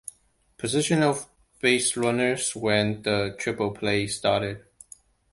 Position of baserunners when the triple play started.